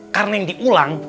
karena yang diulang